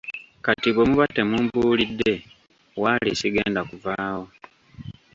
Kati bwe muba temumbuulidde waali sigenda kuva wano.